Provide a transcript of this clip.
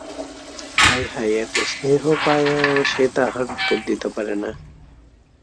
হায় হায়, এত স্নেহ পাইয়াও সে তাহার উত্তর দিতে পারে না।